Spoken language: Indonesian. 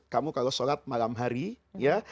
kamu kalau sholat malam hari ya